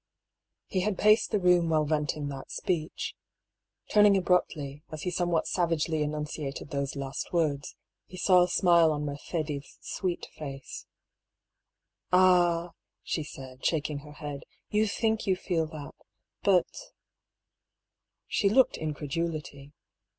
He had paced the room while venting that speech. Turning abruptly, as he somewhat savagely enunciated HER DREAM. 231 those last words, he saw a smile on Mercedes' sweet face. " Ah !" she said, shaking her head, " you think you feel that. But '' She looked incredulity.